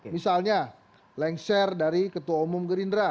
misalnya lengser dari ketua umum gerindra